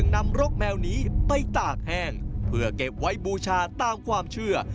นำรกแมวนี้ไปตากแห้งเพื่อเก็บไว้บูชาตามความเชื่อ